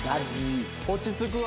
落ち着くわ。